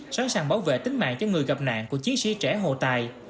sẵn sàng bảo vệ tính mạng cho người gặp nạn của chiến sĩ trẻ hồ tài